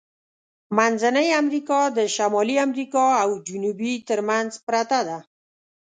منځنۍ امریکا د شمالی امریکا او جنوبي ترمنځ پرته ده.